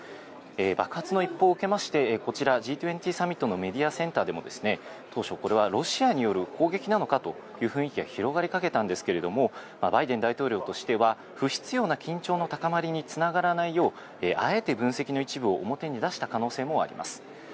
爆発の一報を受けまして、こちらＧ２０サミットのメディアセンターでも、当初、これはロシアによる攻撃なのかという雰囲気が広がりかけたんですけれども、バイデン大統領としては、不必要な緊張の高まりにつながらないよう、あえて分析の一部を表に出した可能性もあります。